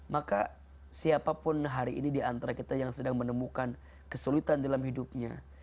maka siapapun hari ini diantara kita yang sedang menemukan kesulitan dalam hidupnya